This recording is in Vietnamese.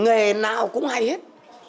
nghề nào cũng hay hết